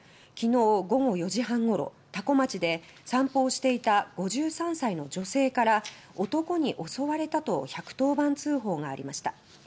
きのう午後４時半ごろ多古町で散歩をしていた５３歳の女性から「男に襲われた」と１１０番通報がありました。